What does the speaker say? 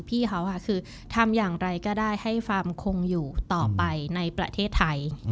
พี่เขาค่ะคือทำอย่างไรก็ได้ให้ฟาร์มคงอยู่ต่อไปในประเทศไทย